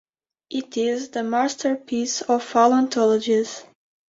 It is the masterpiece of all anthologies.